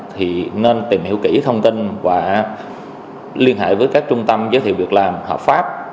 thì nên tìm hiểu kỹ thông tin và liên hệ với các trung tâm giới thiệu việc làm hợp pháp